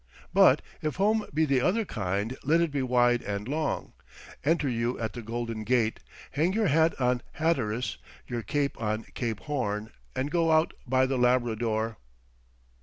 But if home be the other kind, let it be wide and long—enter you at the Golden Gate, hang your hat on Hatteras, your cape on Cape Horn and go out by the Labrador.